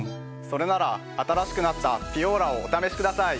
それなら新しくなったピュオーラをお試しください。